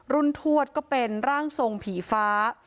ทวดก็เป็นร่างทรงผีฟ้า